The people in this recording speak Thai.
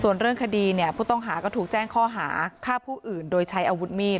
ส่วนเรื่องคดีเนี่ยผู้ต้องหาก็ถูกแจ้งข้อหาฆ่าผู้อื่นโดยใช้อาวุธมีด